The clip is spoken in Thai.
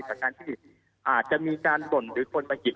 จากการที่อาจจะมีการบ่นหรือคนมาหยิบ